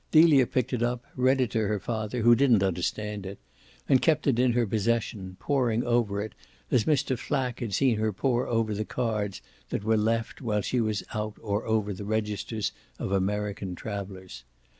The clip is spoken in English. Delia picked it up, read it to her father, who didn't understand it, and kept it in her possession, poring over it as Mr. Flack had seen her pore over the cards that were left while she was out or over the registers of American travellers.